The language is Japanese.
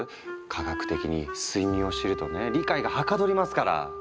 科学的に睡眠を知るとね理解がはかどりますから！